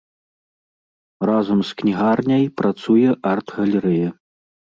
Разам з кнігарняй працуе арт-галерэя.